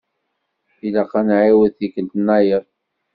Ilaq ad nɛiwed tikelt-nnayeḍ.